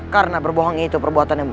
karena berbohong itu perbuatan yang tidak baik